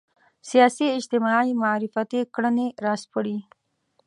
سیاسي اجتماعي معرفتي کړنې راسپړي